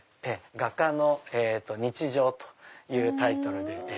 『画家の日常』というタイトルで。